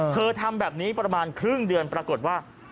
ทำแบบนี้ประมาณครึ่งเดือนปรากฏว่า